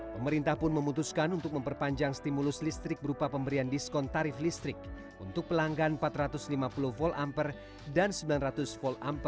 pemerintah pun memutuskan untuk memperpanjang stimulus listrik berupa pemberian diskon tarif listrik untuk pelanggan empat ratus lima puluh volt ampere dan sembilan ratus volt ampere